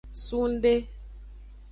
Sungde.